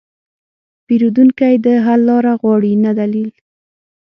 پیرودونکی د حل لاره غواړي، نه دلیل.